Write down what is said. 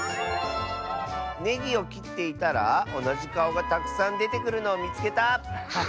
「ネギをきっていたらおなじかおがたくさんでてくるのをみつけた！」。